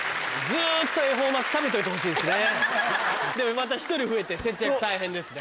また１人増えて節約大変ですね。